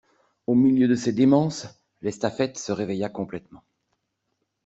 Au milieu de ces démences, l'estafette se réveilla complètement.